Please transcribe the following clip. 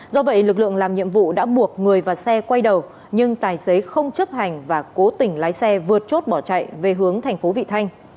do vậy lực lượng làm nhiệm vụ đã buộc người và xe quay đầu nhưng tài xế không chấp hành và cố tình lái xe vượt chốt bỏ chạy về hướng thành phố vị thanh